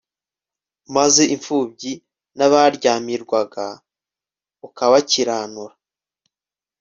maze imfubyi n'abaryamirwaga ukabakiranura